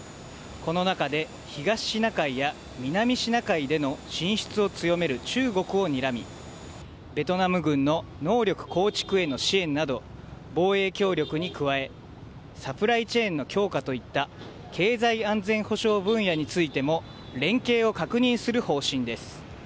この中で東シナ海や南シナ海での進出を強める中国をにらみベトナム軍の能力構築への支援など防衛協力に加えサプライチェーンの強化といった経済安全保障分野についても連携を確認する方針です。